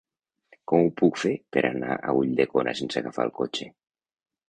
Com ho puc fer per anar a Ulldecona sense agafar el cotxe?